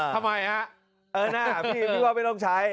ค่ะอ่าทำไมฮะเออนะพี่พี่ว่าไม่ต้องใช้